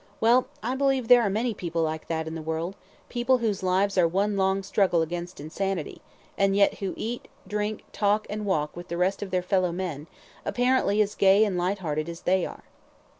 Well, I believe there are many people like that in the world, people whose lives are one long struggle against insanity, and yet who eat, drink, talk, and walk with the rest of their fellow men, apparently as gay and light hearted as they are."